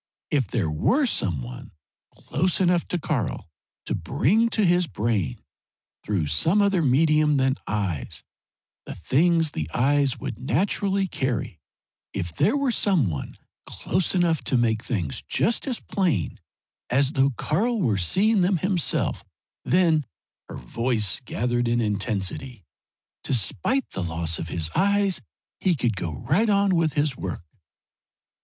If there were some one close enough to Karl to bring to his brain, through some other medium than eyes, the things the eyes would naturally carry; if there were some one close enough to make things just as plain as though Karl were seeing them himself, then" her voice gathered in intensity "despite the loss of his eyes, he could go right on with his work."